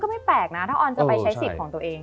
ไม่แปลกนะถ้าออนจะไปใช้สิทธิ์ของตัวเอง